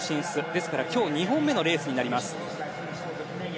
ですから、今日２本目のレースになります。